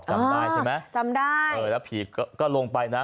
จำได้ใช่ไหมจำได้เออแล้วผีก็ลงไปนะ